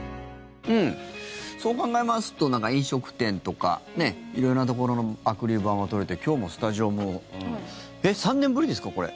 そう考えますと飲食店とか色々なところのアクリル板が取れて今日のスタジオも３年ぶりですか、これ。